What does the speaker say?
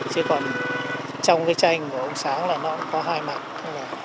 chứ còn trong cái tranh của ông sáng là nó có hai mặt